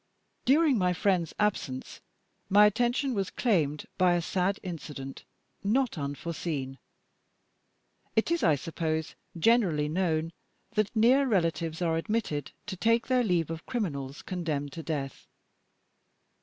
During my friend's absence, my attention was claimed by a sad incident not unforeseen. It is, I suppose, generally known that near relatives are admitted to take their leave of criminals condemned to death.